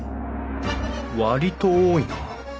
割と多いな。